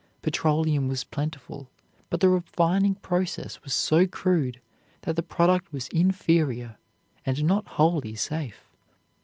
Petroleum was plentiful, but the refining process was so crude that the product was inferior, and not wholly safe.